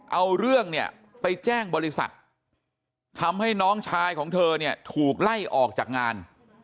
เอาเรื่องเนี่ยไปแจ้งบริษัททำให้น้องชายของเธอเนี่ยถูกไล่ออกจากงาน